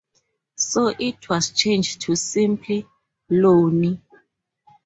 So it was changed to simply "Loni".